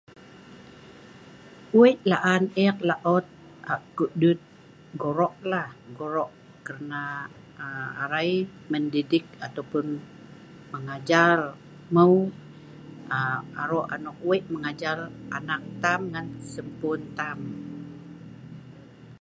Wei laan eek laot aa… ko’ duet goroq lah goroq, kerna aa.. arai mendidik ataupun mengajar hmeau aa..aroq anok wei mengajar anak taam ngan sempuen taam